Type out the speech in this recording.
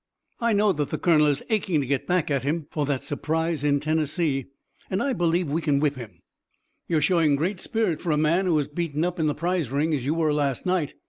"I know that the Colonel is aching to get back at him for that surprise in Tennessee, and I believe we could whip him." "You're showing great spirit for a man who was beaten up in the prize ring as you were last night.